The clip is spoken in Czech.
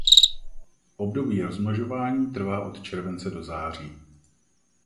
Období rozmnožování trvá od července do září.